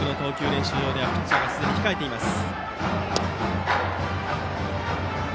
練習場ではピッチャーがすでに控えています。